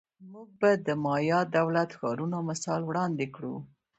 موږ به د مایا دولت ښارونو مثال وړاندې کړو